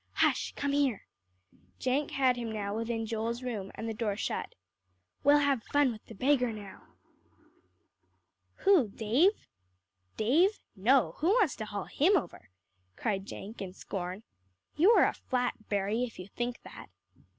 "Hush come here." Jenk had him now within Joel's room and the door shut. "We'll have fun with the beggar now." "Who Dave?" "Dave? No. Who wants to haul him over?" cried Jenk in scorn. "You are a flat, Berry, if you think that."